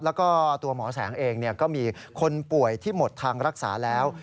แล้วก็ตัวหมอแสงเองก็มีคนป่วยที่หมดทางรักษาแล้ว